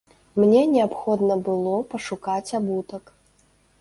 Мне неабходна было пашукаць абутак.